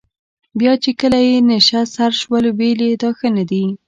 بیا چې کله یې نشه سر شول ویل یې دا ښه نه دي.